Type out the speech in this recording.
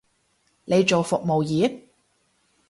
你做服務業？